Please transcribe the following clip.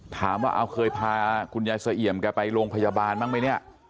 ถามว่าเอาเคยพาคุณยายเสเอี่ยมแกไปโรงพยาบาลบ้างไหมเนี่ย